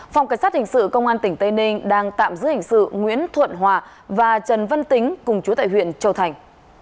phòng cảnh sát hình sự công an tỉnh tây ninh đang tạm giữ hình sự nguyễn thuận hòa và trần văn tính cùng chú tại huyện châu thành